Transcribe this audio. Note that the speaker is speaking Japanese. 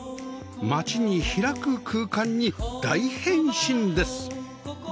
街に開く空間に大変身です